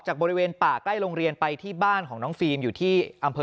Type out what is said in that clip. บริเวณป่าใกล้โรงเรียนไปที่บ้านของน้องฟิล์มอยู่ที่อำเภอ